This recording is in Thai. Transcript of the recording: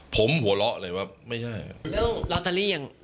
ผมหัวเราะเลยว่าไม่ใช่